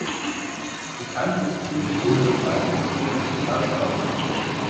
Bekannt ist sie für ihren reich verzierten Erker.